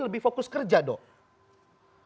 lebih fokus kerja dong